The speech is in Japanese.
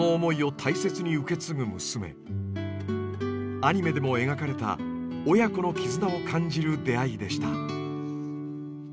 アニメでも描かれた親子の絆を感じる出会いでした。